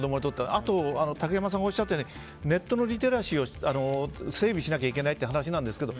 あと、竹山さんがおっしゃったようにネットのリテラシーを整備しなきゃいけないって話ですけど